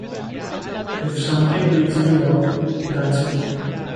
If something makes me laugh, that's it.